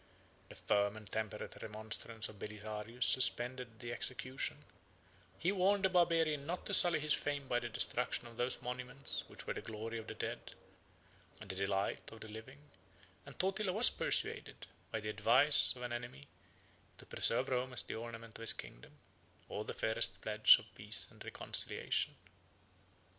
The firm and temperate remonstrance of Belisarius suspended the execution; he warned the Barbarian not to sully his fame by the destruction of those monuments which were the glory of the dead, and the delight of the living; and Totila was persuaded, by the advice of an enemy, to preserve Rome as the ornament of his kingdom, or the fairest pledge of peace and reconciliation.